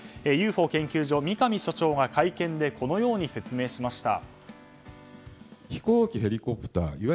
ＵＦＯ研究所、三上所長が会見でこのように説明しました。